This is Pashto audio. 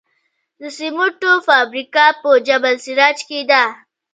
د سمنټو فابریکه په جبل السراج کې ده